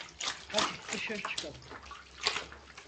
Hadi dışarı çıkalım.